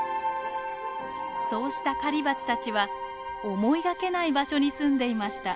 そうした狩りバチたちは思いがけない場所にすんでいました。